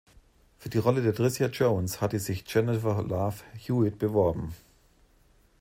Für die Rolle der "Tricia Jones" hatte sich Jennifer Love Hewitt beworben.